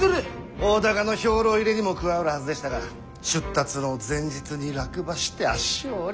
大高の兵糧入れにも加わるはずでしたが出立の前日に落馬して足を折り。